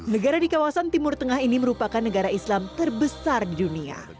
negara di kawasan timur tengah ini merupakan negara islam terbesar di dunia